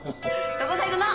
どこさ行くの？